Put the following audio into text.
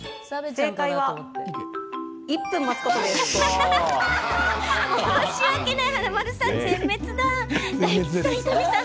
正解は１分待つことです。